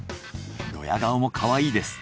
ドヤ顔もかわいいです。